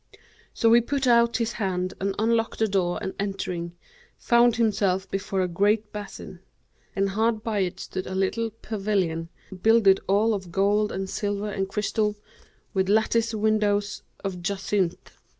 So he put out his hand and unlocked the door and entering, found himself before a great basin; and hard by it stood a little pavilion, builded all of gold and silver and crystal, with lattice windows of jacinth.